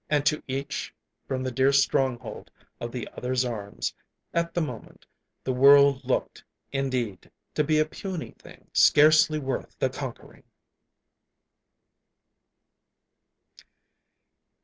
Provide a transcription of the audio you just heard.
And to each, from the dear stronghold of the other's arms, at the moment, the world looked, indeed, to be a puny thing, scarcely worth the conquering.